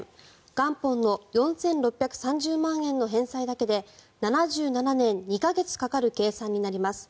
元本の４６３０万円の返済だけで７７年２か月かかる計算になります。